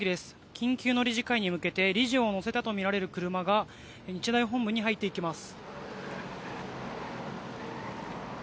緊急の理事会に向けて理事を乗せたとみられる車が日大本部に入っていきます。